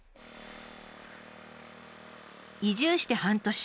移住して半年。